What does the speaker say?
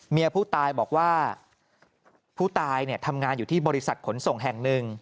เมียผู้ตายบอกว่าผู้ตายเนี่ยทำงานอยู่ที่บริษัทขนส่งแห่งหนึ่ง